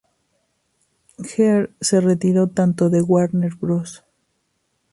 Geer se retiró tanto de Warner Bros.